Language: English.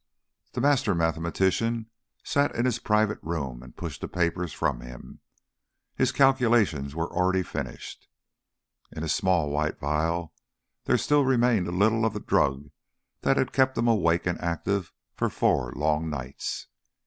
The master mathematician sat in his private room and pushed the papers from him. His calculations were already finished. In a small white phial there still remained a little of the drug that had kept him awake and active for four long nights.